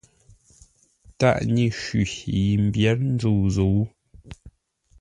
Tâʼ nyǐ shwî yi m mbyěr nzû zǔ.